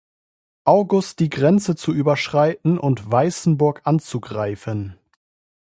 August die Grenze zu überschreiten und Weißenburg anzugreifen.